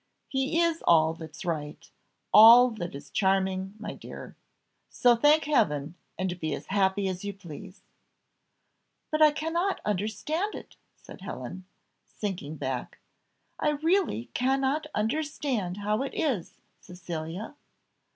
He is all that's right; all that is charming, my dear. So thank Heaven, and be as happy as you please." "But I cannot understand it," said Helen, sinking back; "I really cannot understand how it is, Cecilia."